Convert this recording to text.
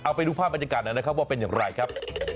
เอาไปดูภาพบรรยากาศหน่อยนะครับว่าเป็นอย่างไรครับ